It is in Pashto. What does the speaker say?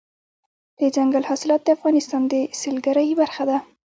دځنګل حاصلات د افغانستان د سیلګرۍ برخه ده.